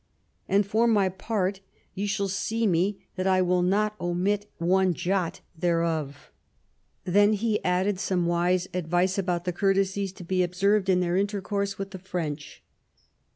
And for my part, ye shall see me that I will not omit one jot thereof.'' Then he added some wise advice IX THE KING'S DIVORCE 157 about the courtesies to be observed in their intercourse with the French.